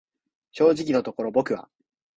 正直のところ僕は、